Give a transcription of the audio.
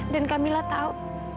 dan kamila tahu